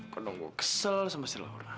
kadang gue kesel sama si lahurna